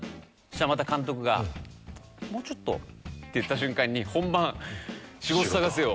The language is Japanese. したらまた監督が「もうちょっと」って言った瞬間に本番「仕事探せよ」